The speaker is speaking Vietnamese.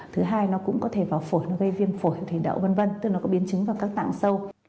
thứ hai nó cũng có thể vào phổi nó gây viêm phổi thủy đậu tức là nó có biến chứng vào các tạng sâu